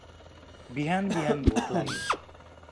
बिहान बिहान भोक लाग्यो ।